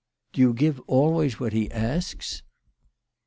" Do you give always what he asks